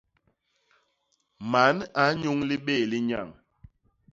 Man a nnyuñ libéé li nyañ.